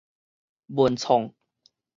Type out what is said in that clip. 文創